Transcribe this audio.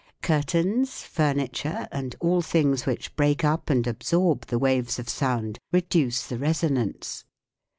Curtains, furniture, and all things which break up and absorb the waves of sound reduce the resonance.